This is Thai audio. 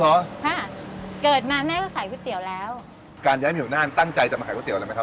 ค่ะเกิดมาแม่ก็ขายก๋วยเตี๋ยวแล้วการย้ายเหี่ยวน่านตั้งใจจะมาขายก๋วอะไรไหมครับ